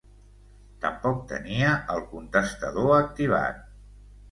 Tampoc tenia el contestador activat.